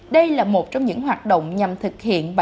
đây là một trong những hoạt động nhằm thực hiện